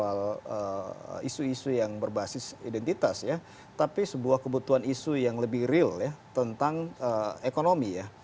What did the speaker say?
soal isu isu yang berbasis identitas ya tapi sebuah kebutuhan isu yang lebih real ya tentang ekonomi ya